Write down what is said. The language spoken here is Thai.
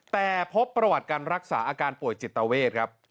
แต่พบประวัติการรักษาอาการป่วยจิตเวทครับ